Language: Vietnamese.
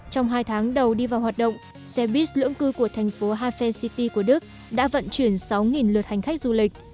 trong hai tháng đầu đi vào hoạt động xe buýt lưỡng cư của thành phố hafael city của đức đã vận chuyển sáu lượt hành khách du lịch